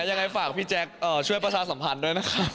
ยังไงฝากพี่แจ๊คช่วยประชาสัมพันธ์ด้วยนะคะ